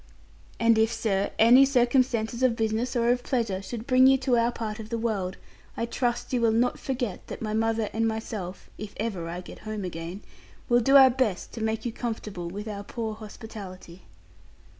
'And if, sir, any circumstances of business or of pleasure should bring you to our part of the world, I trust you will not forget that my mother and myself (if ever I get home again) will do our best to make you comfortable with our poor hospitality.'